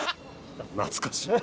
懐かしい。